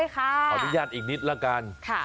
ขออนุญาตอีกนิดละกัน